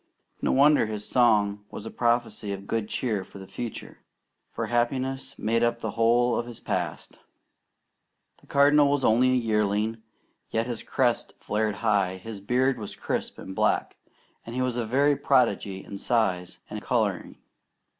No wonder his song was a prophecy of good cheer for the future, for happiness made up the whole of his past. The Cardinal was only a yearling, yet his crest flared high, his beard was crisp and black, and he was a very prodigy in size and colouring.